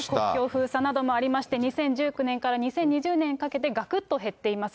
封鎖などもありまして２０１９年から２０２０年にかけて、がくっと減っています。